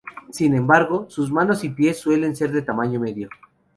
Sin embargo, sus manos y pies suelen ser de tamaño medio.